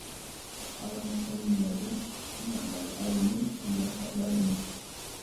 فَقَالَ مُحَمَّدٌ نِعْمَ الْعَوْنُ الْيَسَارُ عَلَى الْمَجْدِ